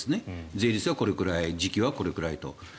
税率はこれくらい時期はこれくらいと。